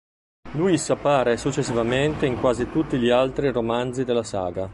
Louis appare successivamente in quasi tutti gli altri romanzi della saga.